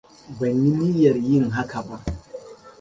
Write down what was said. Ban yi niyyar yin haka ba.